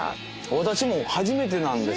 私も初めてなんです。